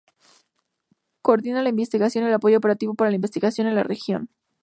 Coordina la investigación y el apoyo operativo para la investigación en la región.